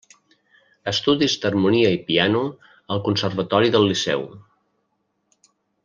Estudis d'harmonia i piano al Conservatori del Liceu.